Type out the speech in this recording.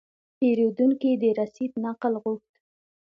پیرودونکی د رسید نقل غوښت.